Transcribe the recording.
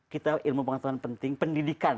kita ilmu pengetahuan penting pendidikan